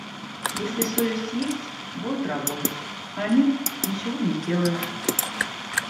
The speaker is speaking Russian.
Если совесть есть, будет работать, а нет — ничего не сделаешь.